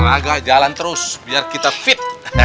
olah lah jalan terus biar kita fit